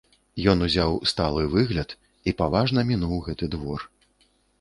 Ён узяў сталы выгляд і паважна мінуў гэты двор.